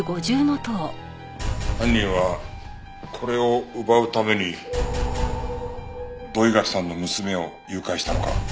犯人はこれを奪うために土居垣さんの娘を誘拐したのか。